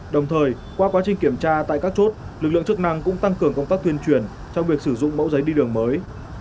đồng thời qua quá trình kiểm tra tại các chốt lực lượng chức năng cũng tăng cường công tác tuyên truyền trong việc sử dụng mẫu giấy đi đường mới